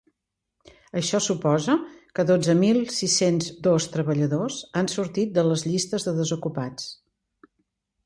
Això suposa que dotze mil sis-cents dos treballadors han sortit de les llistes de desocupats.